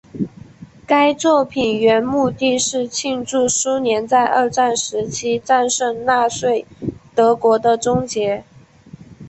该作品原目的是庆祝苏联在二战时期战胜纳粹德国的终结。